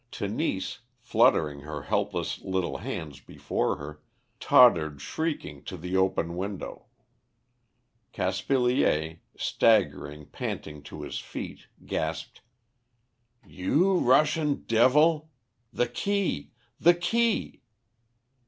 Tenise, fluttering her helpless little hands before her, tottered shrieking to the broken window. Caspilier, staggering panting to his feet, gasped "You Russian devil! The key, the key!"